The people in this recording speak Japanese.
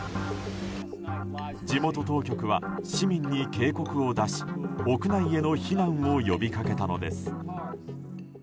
地元当局は市民に警告を出し屋内への避難を呼びかけたのです。